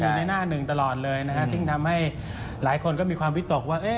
ในหน้าหนึ่งตลอดเลยนะฮะซึ่งทำให้หลายคนก็มีความวิตกว่า